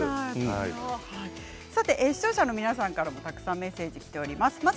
視聴者の皆さんからもたくさんメッセージがきています。